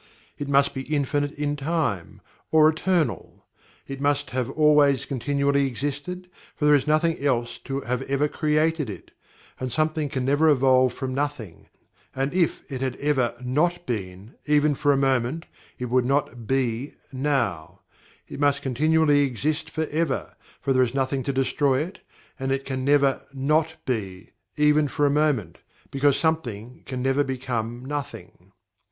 It must be Infinite in Time, or ETERNAL, it must have always continuously existed, for there is nothing else to have ever created it, and something can never evolve from nothing, and if it had ever "not been," even for a moment, it would not "be" now, it must continuously exist forever, for there is nothing to destroy it, and it can never "not be," even for a moment, because something can never become nothing.